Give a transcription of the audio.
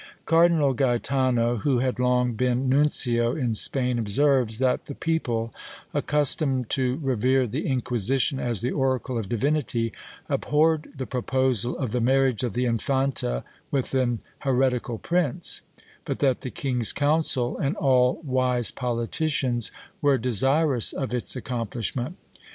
Cardinal Gaetano, who had long been nuncio in Spain, observes, that the people, accustomed to revere the Inquisition as the oracle of divinity, abhorred the proposal of the marriage of the Infanta with an heretical prince; but that the king's council, and all wise politicians, were desirous of its accomplishment.